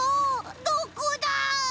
どこだ？